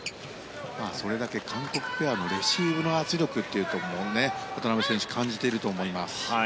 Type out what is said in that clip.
それだけ韓国ペアのレシーブの圧力を渡辺選手感じていると思います。